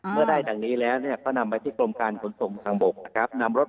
เมื่อได้ดังนี้แล้วเนี้ยก็นำไปที่กรงการขนสมทางบกนะครับ